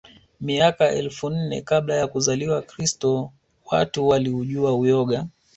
Miaka elfu nne kabla ya kuzaliwa Kristo watu waliujua uyoga